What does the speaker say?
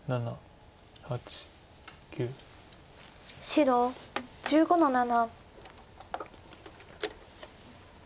白１５の七。